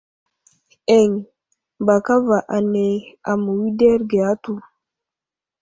Eŋ ba kava ane aməwuderge atu.